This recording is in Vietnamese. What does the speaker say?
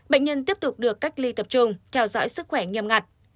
bệnh nhân tiếp tục được cách ly tập trung theo dõi sức khỏe nghiêm ngặt